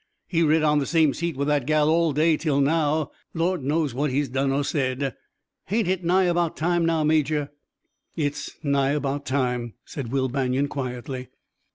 He rid on the same seat with that gal all day till now. Lord knows what he done or said. Ain't hit nigh about time now, Major?" "It's nigh about time," said Will Banion quietly.